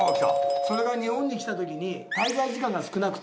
それが日本に来たときに滞在時間が少なくて。